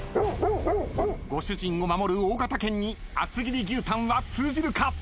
ご主人を守る大型犬に厚切り牛タンは通じるか？